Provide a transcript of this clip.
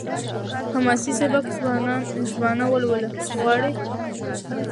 حماسي سبک ځوانه ولوله غواړي.